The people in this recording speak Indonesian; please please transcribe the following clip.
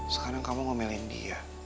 sekarang kamu ngomelin dia